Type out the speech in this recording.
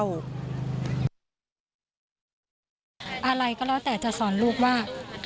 อะไรก็แล้วแต่จะสอนลูกว่า